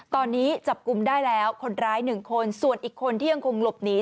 ตอนนี้จับกลุ่มได้แล้วคนร้าย๑คนส่วนอีกคนที่ยังคงหลบหนี